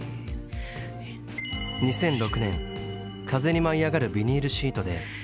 ２００６年「風に舞いあがるビニールシート」で直木賞を受賞。